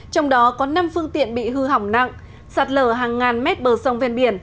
trong đó có năm phương tiện bị hư hỏng nặng sạt lở hàng ngàn mét bờ sông ven biển